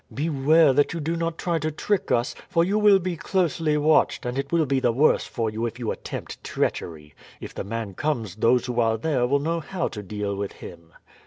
Beware that you do not try to trick us, for you will be closely watched, and it will be the worse for you if you attempt treachery. If the man comes those who are there will know how to deal with him."